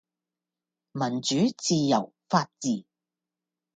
民主、自由、法治